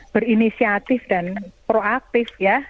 berinisiatif dan proaktif ya